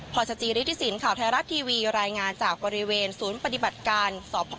พศจริษฐิสินทร์ข่าวไทยรัตน์ทีวีรายงานจากบริเวณศูนย์ปฏิบัติการ